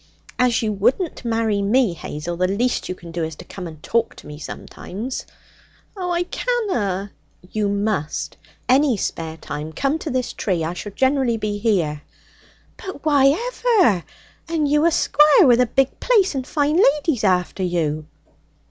'As you wouldn't marry me, Hazel, the least you can do is to come and talk to me sometimes.' 'Oh, I canna!' 'You must. Any spare time come to this tree. I shall generally be here.' 'But why ever? And you a squire with a big place and fine ladies after you!'